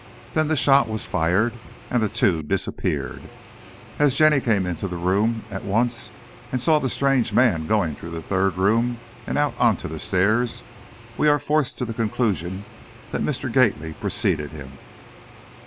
Then the shot was fired, and the two disappeared. As Jenny came into the room at once, and saw the strange man going through the third room and on out to the stairs, we are forced to the conclusion that Mr. Gately preceded him."